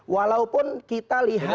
walaupun kita lihat